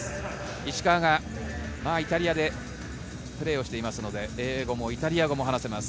石川がイタリアでプレーをしているので、英語もイタリア語も話せます。